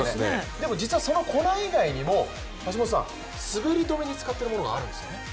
でも実はその粉以外にも滑り止めに使っているものがあるんですよね？